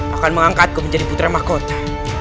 akan mengangkatku menjadi putra mahkota